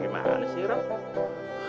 gimana sih ram